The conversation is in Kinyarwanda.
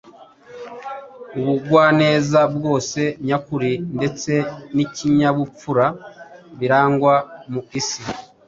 Ubugwaneza bwose nyakuri ndetse n’ikinyabupfura birangwa mu isi,